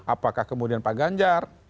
apakah kemudian pak ganjar